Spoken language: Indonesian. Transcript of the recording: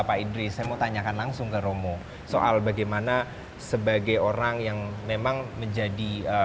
pak idris saya mau tanyakan langsung ke romo soal bagaimana sebagai orang yang memang menjadi